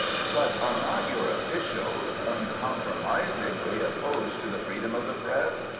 "But are not your officials uncompromisingly opposed to the freedom of the Press?"